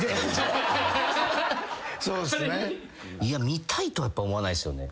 見たいとは思わないっすよね。